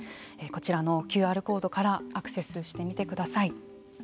こちらのＱＲコードからアクセスしてみてください。